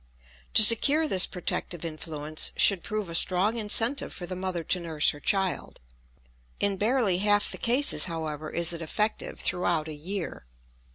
To secure this protective influence should prove a strong incentive for the mother to nurse her child; in barely half the cases, however, is it effective throughout a year.